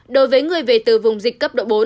đối với người về từ vùng dịch cấp độ bốn